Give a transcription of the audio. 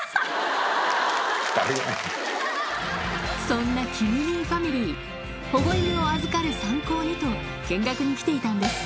そんなキム兄ファミリー保護犬を預かる参考にと見学に来ていたんです